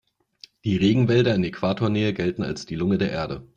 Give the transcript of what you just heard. Die Regenwälder in Äquatornähe gelten als die Lunge der Erde.